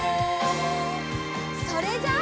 それじゃあ。